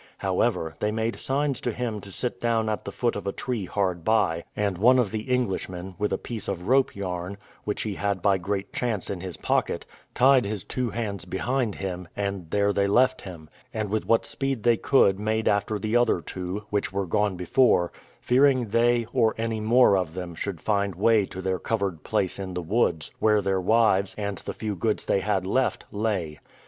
However, they made signs to him to sit down at the foot of a tree hard by; and one of the Englishmen, with a piece of rope yarn, which he had by great chance in his pocket, tied his two hands behind him, and there they left him; and with what speed they could made after the other two, which were gone before, fearing they, or any more of them, should find way to their covered place in the woods, where their wives, and the few goods they had left, lay.